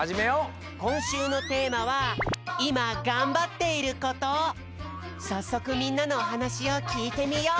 こんしゅうのテーマはさっそくみんなのおはなしをきいてみよう！